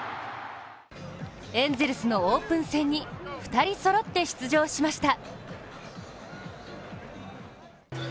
エンゼルスのオープン戦に２人そろって出場しました。